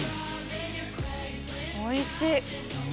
おいしい！